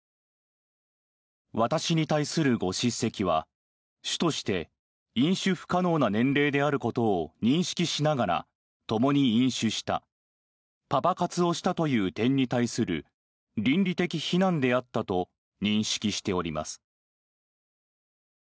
私に対するご叱責は主として飲酒不可能な年齢であることを認識しながらともに飲酒したパパ活をしたという点に対する倫理的非難であったと認識しております。